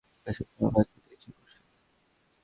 শ্বশুর, তোমার পা ছুঁতে ইচ্ছে করছে।